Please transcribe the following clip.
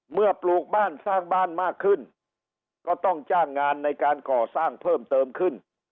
ปลูกบ้านสร้างบ้านมากขึ้นก็ต้องจ้างงานในการก่อสร้างเพิ่มเติมขึ้น